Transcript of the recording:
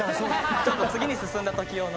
ちょっと次に進んだ時用の。